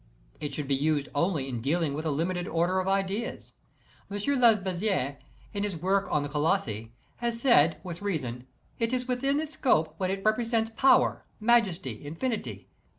It should be used only in dealing with a limited order of ideas. M. Lesbazeilles, in his work on the Colossi, has said with reason: It is within its scope when it repre sents power, majesty, infinity.